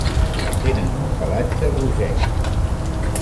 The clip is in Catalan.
Tenen un pelatge rogenc.